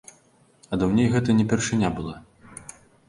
А даўней гэта не першыня была.